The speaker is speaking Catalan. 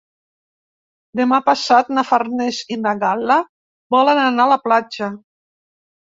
Demà passat na Farners i na Gal·la volen anar a la platja.